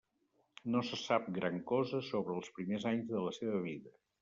No se sap gran cosa sobre els primers anys de la seva vida.